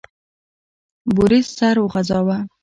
بوریس سر وخوزاوه.